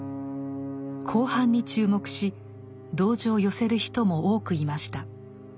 後半に注目し同情を寄せる人も多くいました。